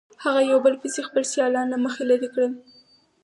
هغه یو په بل پسې خپل سیالان له مخې لرې کړل.